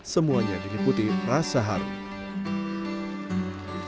semuanya diliputi rasa harum